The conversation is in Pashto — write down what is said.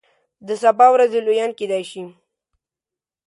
د سبا ورځې لویان کیدای شي.